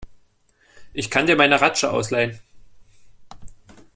Ich kann dir meine Ratsche ausleihen.